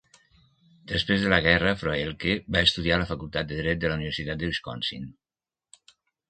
Després de la guerra, Froehlke va estudiar a la Facultat de Dret de la Universitat de Wisconsin.